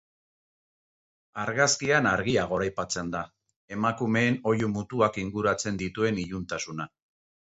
Argazkian argia goraipatzen da, emakumeen oihu mutuak inguratzen dituen iluntasuna.